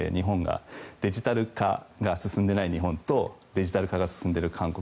デジタル化が進んでいない日本とデジタル化が進んでいる韓国。